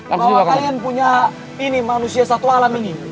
bawa kalian punya ini manusia satu alam ini